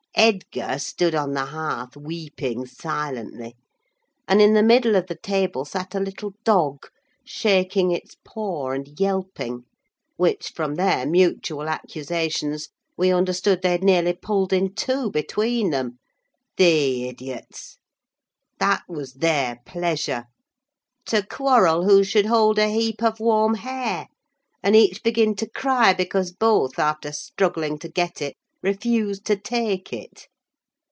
Edgar stood on the hearth weeping silently, and in the middle of the table sat a little dog, shaking its paw and yelping; which, from their mutual accusations, we understood they had nearly pulled in two between them. The idiots! That was their pleasure! to quarrel who should hold a heap of warm hair, and each begin to cry because both, after struggling to get it, refused to take it.